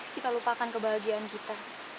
kita lupakan kebahagiaan kita